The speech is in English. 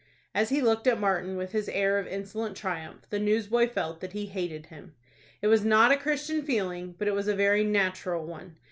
As he looked at Martin with his air of insolent triumph, the newsboy felt that he hated him. It was not a Christian feeling, but it was a very natural one.